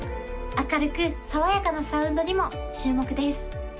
明るく爽やかなサウンドにも注目です